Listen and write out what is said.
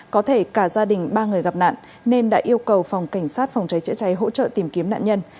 có thể cả gia đình ba người gặp nạn nên đã yêu cầu phòng cảnh sát phòng cháy chữa cháy hỗ trợ tìm kiếm nạn nhân